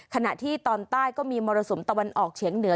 ขณะที่ตอนใต้ก็มีมรสุมตะวันออกเฉียงเหนือ